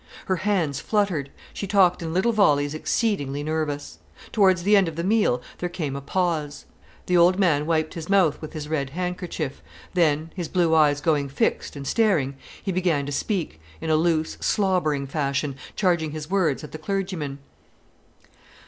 Her hands fluttered; she talked in little volleys exceedingly nervous. Towards the end of the meal, there came a pause. The old man wiped his mouth with his red handkerchief, then, his blue eyes going fixed and staring, he began to speak, in a loose, slobbering fashion, charging his words at the clergyman.